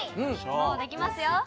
もうできますよ。